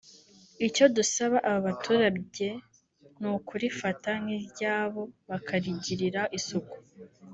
Icyo dusaba aba baturage ni ukurifata nk’iryabo bakarigirira isuku